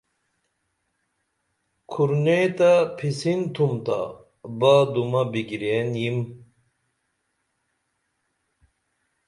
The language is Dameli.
کُھر نعیں تہ پِھسِن تُھم تا بادُمہ بِگرین یِم